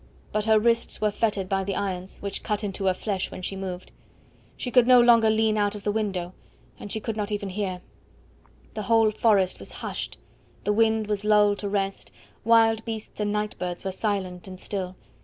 But her wrists were fettered by the irons, which cut into her flesh when she moved. She could no longer lean out of the window, and she could not even hear. The whole forest was hushed, the wind was lulled to rest; wild beasts and night birds were silent and still.